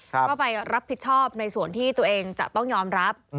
ก็ไปรับผิดชอบในส่วนที่ตัวเองจะต้องยอมรับ